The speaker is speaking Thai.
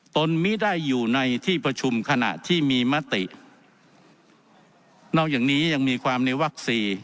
ตนไม่ได้อยู่ในที่ประชุมขณะที่มีมตินอกจากนี้ยังมีความในวักสี่